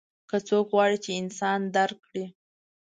که څوک غواړي چې انسان درک کړي.